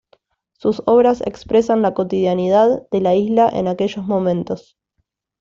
Sus obras expresan la cotidianidad de la Isla en aquellos momentos.